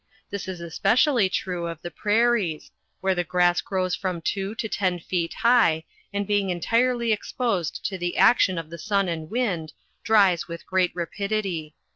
This is especially true of the prairies, where the grass grows from two to ten feet high, and being entirely exposed to the action of the sun and wind, dries with great rapidity.